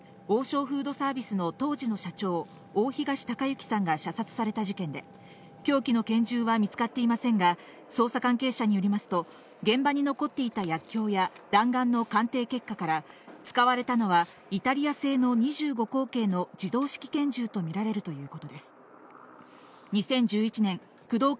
２０１３年、王将フードサービスの当時の社長・大東隆行さんが射殺された事件で、凶器の拳銃が見つかっていませんが、捜査関係者によりますと現場に残っていた薬きょうや弾丸の鑑定結果から使われたのはイタリア製の２５口径の自動式拳銃とみられるということです。